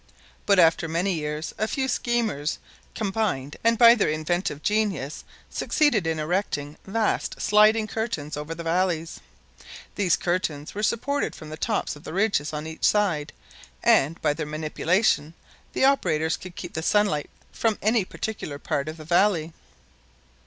But after many years a few schemers combined and by their inventive genius succeeded in erecting vast sliding curtains over the valleys. These curtains were supported from the tops of the ridges on each side and, by their manipulation, the operators could keep the sunlight from any particular part of the valley.